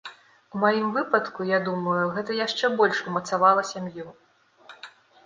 У маім выпадку, я думаю, гэта яшчэ больш умацавала сям'ю.